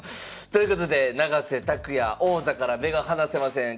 ということで永瀬拓矢王座から目が離せません。